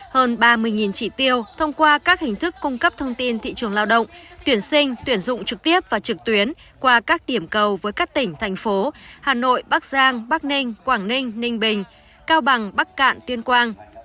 hơn ba mươi trị tiêu thông qua các hình thức cung cấp thông tin thị trường lao động tuyển sinh tuyển dụng trực tiếp và trực tuyến qua các điểm cầu với các tỉnh thành phố hà nội bắc giang bắc ninh quảng ninh ninh bình cao bằng bắc cạn tuyên quang